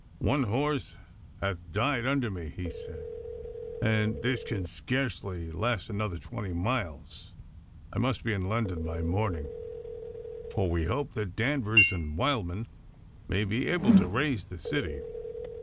'One horse hath died under me,' he said, 'and this can scarce last another twenty miles. I must be in London by morning, for we hope that Danvers and Wildman may be able to raise the city.